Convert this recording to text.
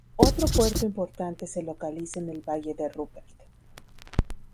Otro puerto importante se localiza en el Valle de Rupert.